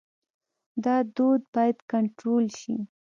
دا دود باید کنټرول شي.